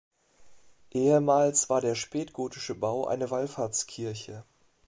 Ehemals war der spätgotische Bau eine Wallfahrtskirche.